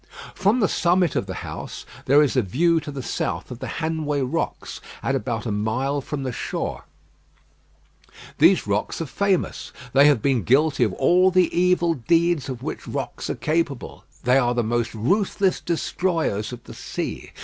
From the summit of the house, there is a view to the south of the Hanway Rocks, at about a mile from the shore. These rocks are famous. They have been guilty of all the evil deeds of which rocks are capable. They are the most ruthless destroyers of the sea.